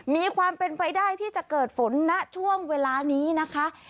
มีความเป็นไปได้ที่จะเกิดฝนณช่วงเวลานี้นะคะ